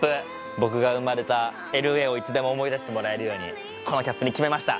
僕が生まれたＬＡをいつでも思い出してもらえるようにこのキャップに決めました！